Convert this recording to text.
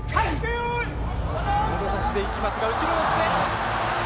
もろ差しでいきますが後ろ寄って。